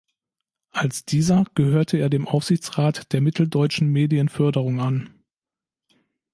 Als dieser gehörte er dem Aufsichtsrat der Mitteldeutschen Medienförderung an.